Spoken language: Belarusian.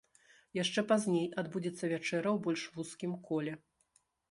Яшчэ пазней адбудзецца вячэра ў больш вузкім коле.